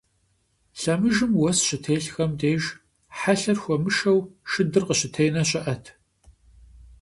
Лъэмыжым уэс щытелъхэм деж, хьэлъэр хуэмышэу, шыдыр къыщытенэ щыӀэт.